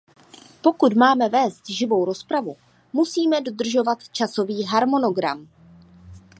Pokud máme vést živou rozpravu, musíme dodržovat časový harmonogram.